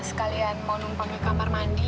sekalian mau numpang ke kamar mandi